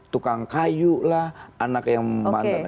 tukang kayu lah anak yang mantan